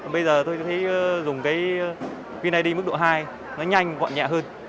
bây giờ tôi thấy dùng cái vneid mức độ hai nó nhanh gọn nhẹ hơn